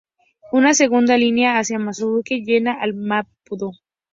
Una segunda línea hacia Mozambique llega a Maputo.